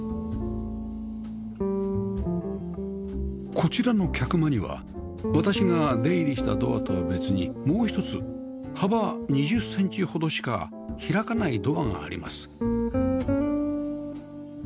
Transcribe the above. こちらの客間には私が出入りしたドアとは別にもう１つ幅２０センチほどしか開かないドアがあります